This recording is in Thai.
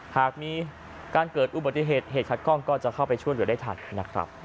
หากมีการเกิดอุบัติเหตุเหตุขัดข้องก็จะเข้าไปช่วยเหลือได้ทันนะครับ